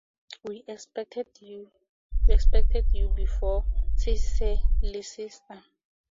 "We expected you before," says Sir Leicester.